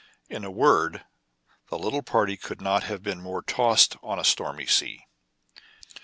In a word, the little party could not have been more tossed on a stormy sea.